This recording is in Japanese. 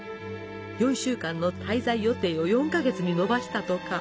４週間の滞在予定を４か月に延ばしたとか。